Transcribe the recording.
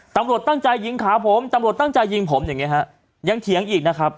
ตำรวจตั้งใจยิงขาผมตำรวจตั้งใจยิงผมยังเถียงอีกนะครับ